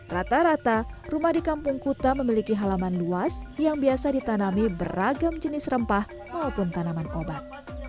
rata rata rumah di kampung kuta memiliki halaman luas yang biasa ditanami beragam jenis rempah maupun tanaman obat